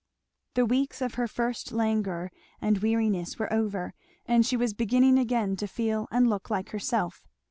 The weeks of her first languor and weariness were over, and she was beginning again to feel and look like herself.